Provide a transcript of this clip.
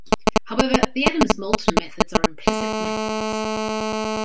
However, the Adams-Moulton methods are implicit methods.